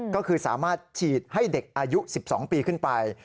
ก็คือสามารถฉีดให้เด็กอายุ๑๒ปีขึ้นไป